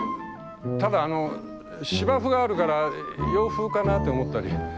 ただあの芝生があるから洋風かなって思ったり。